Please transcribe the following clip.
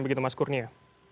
begitu mas kurnia